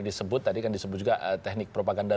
disebut tadi kan disebut juga teknik propaganda